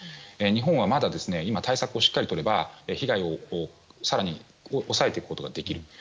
日本はまだ対策をしっかりとれば被害を更に抑えていくことができる。